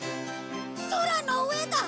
空の上だ！